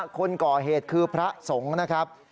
คนก่อเหตุคือพระสงฆ์นะครับ